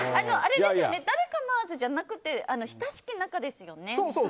誰彼構わずじゃなくて親しき仲ですよね。